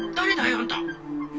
あんた！